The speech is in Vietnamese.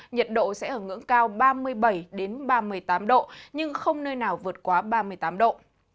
nhiệt độ sẽ ở ngưỡng cao ba mươi bảy ba mươi tám độ nhưng không nơi nào vượt quá ba mươi tám độ